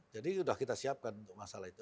jadi sudah kita siapkan untuk masalah itu